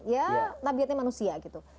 ya tabiatnya manusia gitu